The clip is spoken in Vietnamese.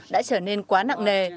đã trở nên quá nặng nề